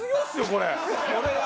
これ。